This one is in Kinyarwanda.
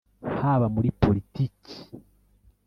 haba muri Politiki